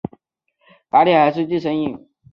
打铁还需自身硬。